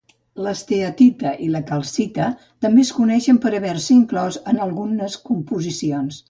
La esteatita i la calcita també es coneixen per haver-se inclòs en algunes composicions.